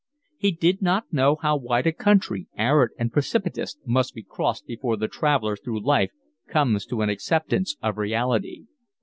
He did not know how wide a country, arid and precipitous, must be crossed before the traveller through life comes to an acceptance of reality.